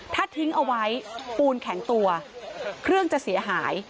ถ้าทิ้งเอาไว้ปูนแข็งตัวเครื่องจะเสียหาย